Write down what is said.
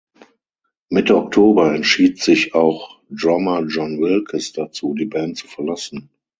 Mitte Oktober entschied sich auch Drummer John Wilkes dazu, die Band zu verlassen.